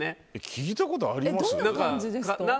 聴いたことあります？